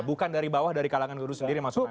bukan dari bawah dari kalangan guru sendiri maksud anda